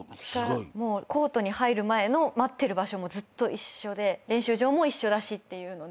コートに入る前の待ってる場所もずっと一緒で練習場も一緒だしっていうので。